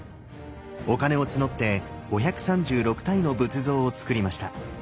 お金を募って５３６体の仏像をつくりました。